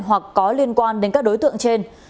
hoặc có liên quan đến các đối tượng trên